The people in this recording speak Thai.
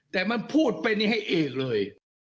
แต่มันพูดไปนี่ให้เอกเลย